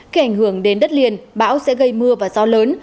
khi ảnh hưởng đến đất liền bão sẽ gây mưa và gió lớn